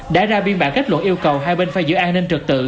đã ra biên bản kết luận yêu cầu hai bên phải giữ an ninh trực tự